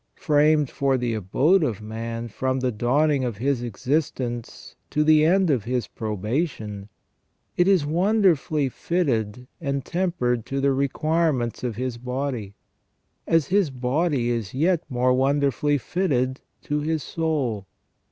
Framed for the abode of man from the dawning of his existence to the end of his probation, it is wonderfully fitted and tempered to the requirements of his body, as his body is yet more wonderfully fitted to his soul.